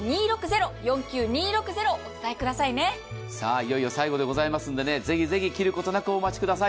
いよいよ最後でございますのでね、ぜひぜひ切ることなくお待ちください。